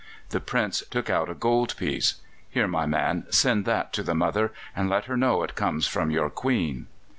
The Prince took out a gold piece. "Here, my man, send that to the mother, and let her know it comes from your Queen."